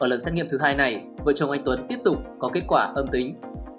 ở lần xét nghiệm thứ hai này vợ chồng anh tuấn tiếp tục có kết quả âm tính